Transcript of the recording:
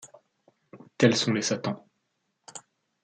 Tels sont les satans.